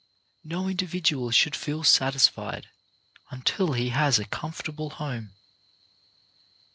No individual should feel satisfied until he has a comfortable home.